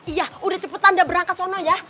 iya udah cepetan udah berangkat sana ya